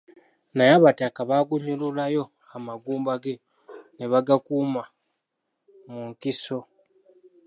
Naye abataka baagunnyululayo, amagumba ge ne bagakuuma mu nkiso.